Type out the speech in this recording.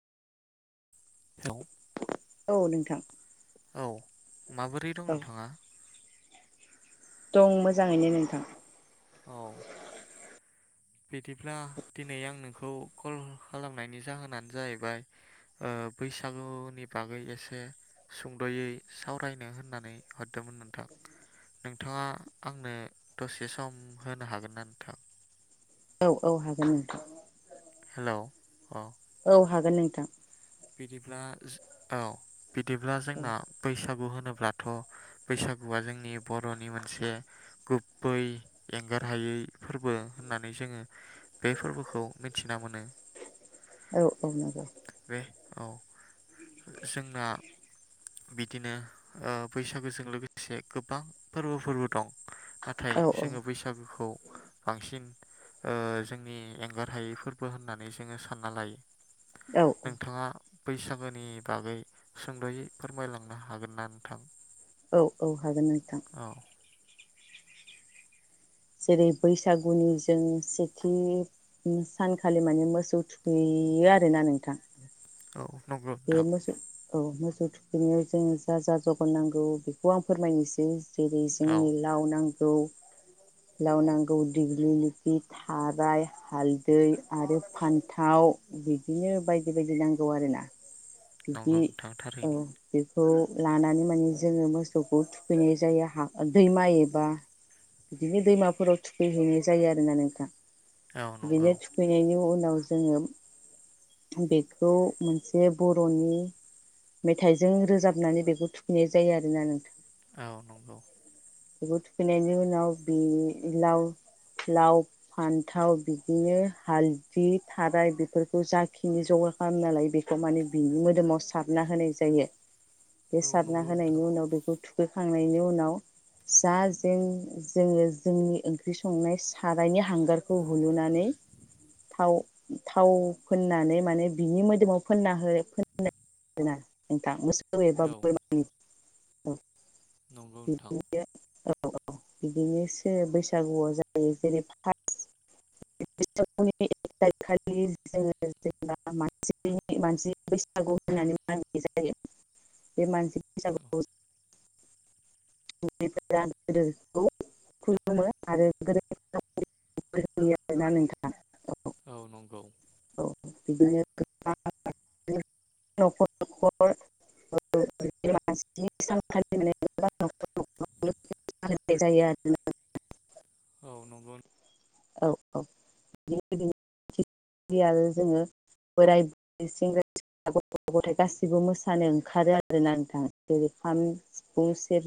Hello औ नोंथां औ माबोरै दं औ नोंथांङा? दं मोजांङैनो नोंथां। औ बिदिब्ला दिनै आं नोंखौ कल खालामनायनि जाहोनानो जाहैबाय ओ बैसागुनि बागै एसे सुंद'यै सावरायनो होननानै हरदोंमोन नोंथां। नोंथांङा आंनो दसे सम होनो हागोन ना नोंथां? औ औ हागोन नोंथां हेलोव अह औ हागोन नोंथां। बिदिब्ला औ बिदिब्ला जोंना बैसागु होनोब्लाथ' बैसागुआ जोंनि बर'नि मोनसे गुबै एंगार हायै फोरबो होननानै जोंङो बे फोरबोखौ मिथिना मोनो। औ औ नंगौ बे औ जोंना बिदिनो बैसागोजों लोगोसे गोबां फोरबो दं। नाथाय औ औ जोंङो बैसागुखौ बांसिन जोंनि ओ एंगार हायै फोरबो होननानै जोंङो सानना लायो। औ औ थांङा बैसागोनि बागै सुंद'यै फोरमायलांनो हागोन ना नोंथां? औ औ हागोन नोंथां। औ जेरै बैसागुनि जों सेथि सानखालि माने मोसौ थुखैयो आरोना नोंथां। औ नंगौ बे नोंथां मोसौ औ मोसौ बिनियाव जों जा जा जगार नांगौ बेखौ आं फोरमायनोसै। जेरै औ जोंनि लाव नांग गौ लाव नांगौ देग्लिलिथि, थाराय, हालदै आरो फान्थाव बिदिनो बायदि बायदि नांगौ आरोना। बिदि नंगौ नोंथां औ थारैनो बे खौ लानानै माने जोंङो मोसौखौ थुखैनाय जायो हाखर दैमा एबा बिदिनो दैमाफोराव थुखैहैनाय जायो आरोना नोंथां। औ नंगौ बिनो थुखैनायनि उन औ जोंङो बेखौ मोनसे बर'नि मेथाइजों रोजाबनानै बेखौ थुखैनाय जायो आरोना नोंथां। औ नंगौ। बेखौ थुखैनायनि उनाव बि लाव-लाव, फान्थाव बिदिनो हालदि, थाराय बेफोरखौ जाखिनि जगार खालामना लायो बेखौ माने बिनि मोदोमाव सारना होनाय जायो। औ बे सारना नंगौ नोंथां होनायनि उनाव बेखौ थुखैखांनायनि उनाव जा जें जोंङो जोंनि ओंख्रि संनाय सारायनि हांगारखौ हुलुनानै थाव-थाव फोननानै माने बिनि मोदोमाव फोनना हो ना नोंथां मोस [unintelligible] [inaudible] [inaudible] औ नंगौ नोंथां औ औ बिदिनोसो बैसागुआव जायो जेरै फारस औ [unintelligible] [unintelligible] नोंथां। औ औ बिदिनो [inaudible] औ नंगौ औ औ बिनो आरो जोङो बोराय बुर सेंग्रा सिख्ला गथ' गथाय गासिबो मोसानो ओंखारो आरोना नोंथां जेरै खाम, सिफुं, सेर